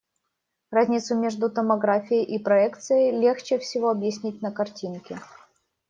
Разницу между томографией и проекцией легче всего объяснить на картинке.